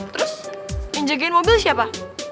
terus yang jagain mobil siapa